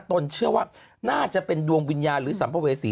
นเชื่อว่าน่าจะเป็นดวงวิญญาณหรือสัมภเวษี